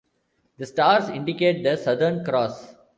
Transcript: The stars indicate the Southern Cross.